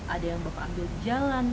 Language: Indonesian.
ada yang bapak ambil di jalan